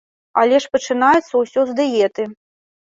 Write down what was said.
Але ж пачынаецца ўсё з дыеты.